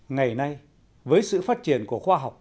ngày nay với sự phát triển của khoa học công nghiệp